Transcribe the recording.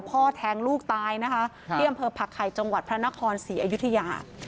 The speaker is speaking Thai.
พ่อแทงลูกตายนะคะค่ะเรียมเผลอผักไข่จังหวัดพระนครสี่อายุทยา